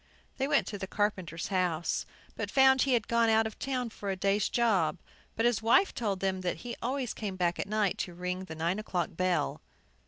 They went to the carpenter's house, but found he had gone out of town for a day's job. But his wife told them that he always came back at night to ring the nine o'clock bell.